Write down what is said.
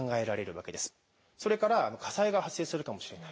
それから火災が発生するかもしれない。